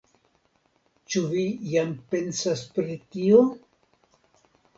Ĉu vi jam pensas pri tio?